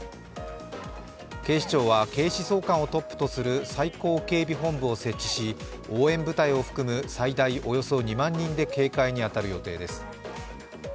警視庁は警視総監をトップとする最高警備本部を設置し応援部隊を含む最大およそ２万人で警戒に当たる予定です。